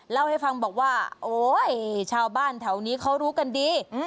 เล่าให้ฟังบอกว่าโอ๊ยชาวบ้านแถวนี้เขารู้กันดี